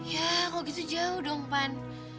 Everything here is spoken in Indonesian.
ya kok gitu jauh dong pan